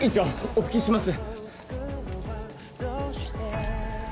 お拭きします。